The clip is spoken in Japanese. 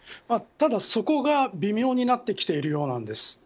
ただそこが微妙になってきているようなんです。